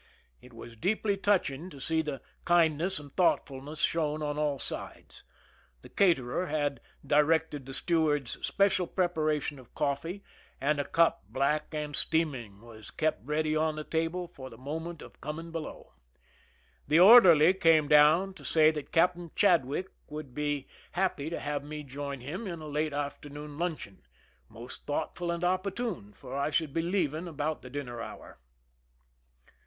It was deeply touching to see the kindness and thoughtfulness shown on all sides. The caterer had directed the ; steward's special preparation of coffee, and a cup, black and steaming, was kept ready on the table for the moment of coming below. The orderly came down to say that Captain Chadwick would be 74 THE EUN IN happy to have me join him in a late afternoon luncheon— most thoughtful and opportune, for I should be leaving about the dinner hour.